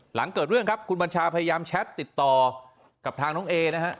หลังเกิดเรื่องครับคุณบัญชาพยายามแชทติดต่อกับทางน้องเอนะฮะ